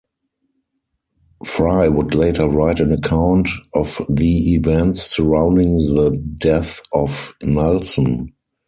Fry would later write an account of the events surrounding the death of Nelson.